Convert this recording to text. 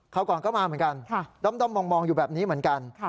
ก่อนก็มาเหมือนกันด้อมมองอยู่แบบนี้เหมือนกัน